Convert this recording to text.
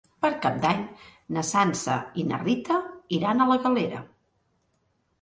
Per Cap d'Any na Sança i na Rita iran a la Galera.